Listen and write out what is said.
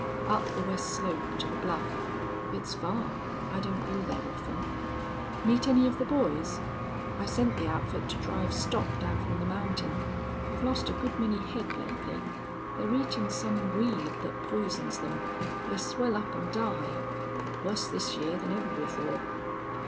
"Up the west slope to the bluff. It's far. I don't go there often." "Meet any of the boys? I sent the outfit to drive stock down from the mountain. I've lost a good many head lately. They're eatin' some weed thet poisons them. They swell up an' die. Wuss this year than ever before."